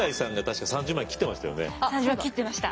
３０万切ってました。